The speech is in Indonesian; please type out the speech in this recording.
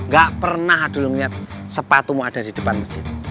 gak pernah adul ngeliat sepatumu ada di depan masjid